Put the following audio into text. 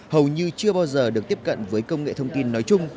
hầu như chưa bao giờ được tiếp cận với công nghệ thông tin nói chung